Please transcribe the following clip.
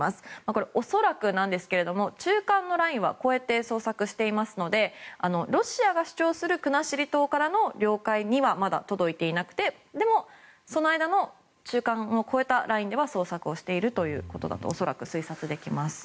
これ、恐らくなんですが中間のラインは越えて捜索していますのでロシアが主張する国後島からの領海にはまだ届いていなくてその間の中間を越えたラインでは捜索をしているということだと恐らく推察できます。